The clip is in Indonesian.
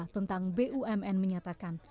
tentang bumn menyatakan